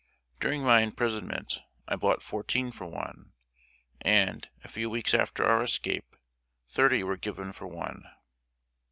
During my imprisonment, I bought fourteen for one, and, a few weeks after our escape, thirty were given for one.